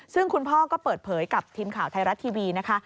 ซึ่งคุณพ่อก็เปิดเผยกับทีมข่าวไทยรัฐทีวีนะคะ